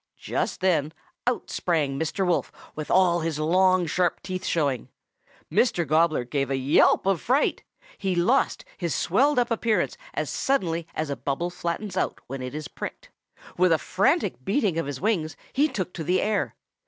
"Just then out sprang Mr. Wolf with all his long, sharp teeth showing. Mr. Gobbler gave a yelp of fright. He lost his swelled up appearance as suddenly as a bubble flattens out when it is pricked. With a frantic beating of his wings he took to the air.